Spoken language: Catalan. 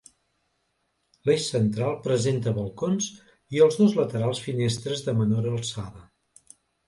L'eix central presenta balcons i els dos laterals finestres de menor alçada.